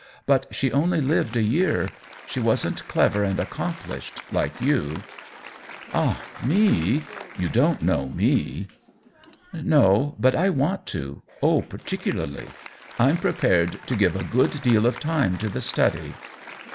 But she only lived a year. She wasn't clever and accomplished— like you." " Ah, me ; you don't know /;/<?/"" No, but I want to — oh, particularly. Vm prepared to give a good deal of time to the study."